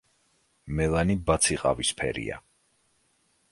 მელანი ბაცი ყავისფერია.